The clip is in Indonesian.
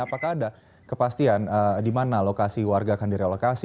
apakah ada kepastian di mana lokasi warga akan direlokasi